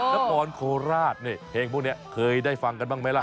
นครโคราชเนี่ยเพลงพวกนี้เคยได้ฟังกันบ้างไหมล่ะ